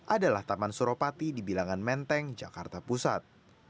adalah taman suropati di bilangan menteng jakarta pusat